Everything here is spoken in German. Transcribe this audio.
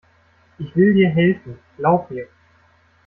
Ich will dir helfen, glaub mir.